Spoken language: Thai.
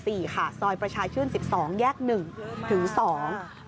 ซอยประชาชื่น๑๒แยก๑ถึง๒